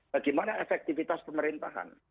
bagaimana efektivitas pemerintahan